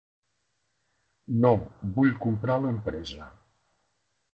No, vull comprar l'empresa.